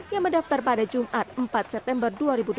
yang mendaftar pada jumat empat september dua ribu dua puluh